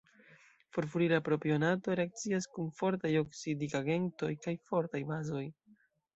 Furfurila propionato reakcias kun fortaj oksidigagentoj kaj fortaj bazoj.